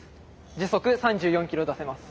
時速３４キロ出せます。